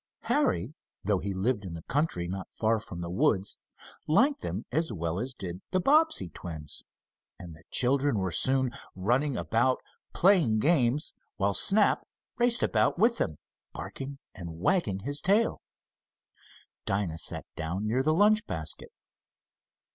Harry, though he lived in the country, not far from the woods, liked them as well as did the Bobbsey twins, and the children were soon running about, playing games, while Snap raced about with them, barking and wagging his tail. Dinah sat down near the lunch basket.